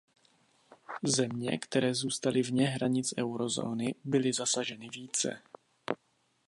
Země, které zůstaly vně hranic eurozóny, byly zasaženy více.